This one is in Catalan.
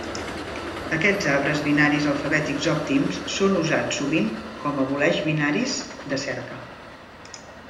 Aquests arbres binaris alfabètics òptims són usats sovint com aboleix binaris de cerca.